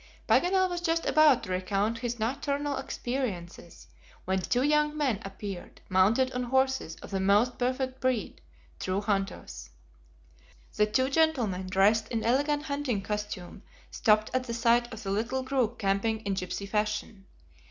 Paganel was just about to recount his nocturnal experiences, when two young men appeared, mounted on horses of the most perfect breed, true "hunters." The two gentlemen dressed in elegant hunting costume, stopped at the sight of the little group camping in gipsy fashion.